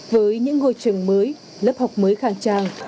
với những ngôi trường mới lớp học mới khang trang